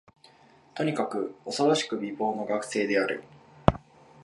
とにかく、おそろしく美貌の学生である